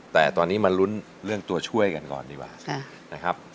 แต่ตอนนี้มาลุ้นเรื่องตัวช่วยกันก่อนดีกว่านะครับ